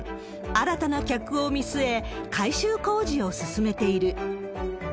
新たな客を見据え、改修工事を進めている。